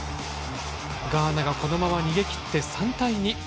ガーナがこのまま逃げきって３対２。